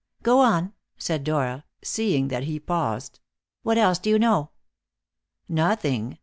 "Go on," said Dora, seeing that he paused; "what else do you know?" "Nothing.